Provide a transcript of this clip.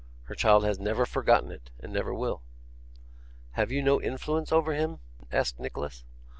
Her child has never forgotten it, and never will.' 'Have you no influence over him?' asked Nicholas.